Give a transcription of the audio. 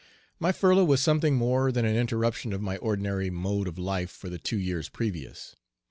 My furlough was something more than an interruption of my ordinary mode of life for the two years previous.